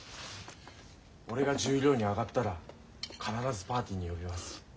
俺が十両に上がったら必ずパーティーに呼びます。